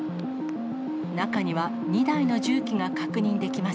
中には２台の重機が確認できます。